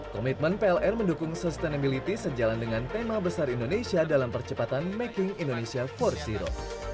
komitmen pln mendukung sustainability sejalan dengan tema besar indonesia dalam percepatan making indonesia empat